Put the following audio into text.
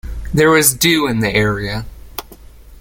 There was dew in the area.